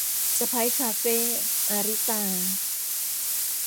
สะใภ้คาเฟ่ - อาริตา